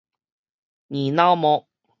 硬腦膜